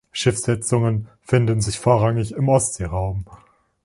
Schiffssetzungen finden sich vorrangig im Ostseeraum.